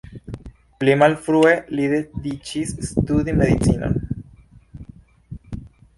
Pli malfrue li decidis studi medicinon.